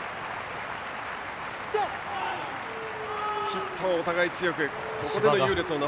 ヒットはお互い強く。